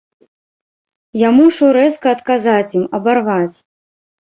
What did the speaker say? Я мушу рэзка адказаць ім, абарваць.